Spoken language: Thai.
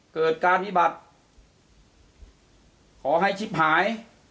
เกิดการวิบัติขอให้ชิปหาย